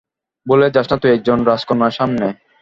ভুলে যাস না তুই একজন রাজকন্যার সামনে।